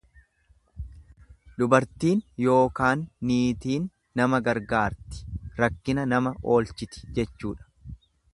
Dubartiin yookaan niitiin nama gargaarti, rakkina nama oolchiti jechuudha.